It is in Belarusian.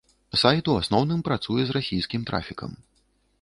Сайт у асноўным працуе з расійскім трафікам.